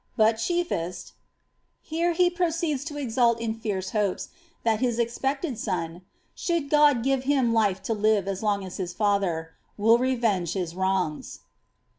But chiefest "" Here he proceeds to exult in fierce hopes that his expected fm, ^ should God give him life to live as long as his father,' will revenue his wrongs."